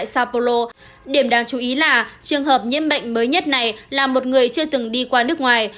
sapolo điểm đáng chú ý là trường hợp nhiễm bệnh mới nhất này là một người chưa từng đi qua nước ngoài